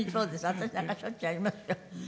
私なんかしょっちゅうありますよ。